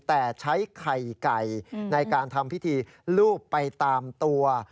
แต่ใช้ไข่ไก่ในการทำพิธีลูบไปตามตัว